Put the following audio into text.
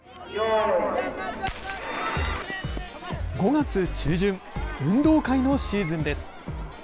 ５月中旬、運動会のシーズンです。